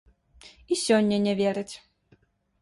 І сёння не вераць.